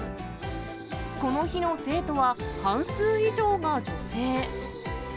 この日の生徒は、半数以上が女性。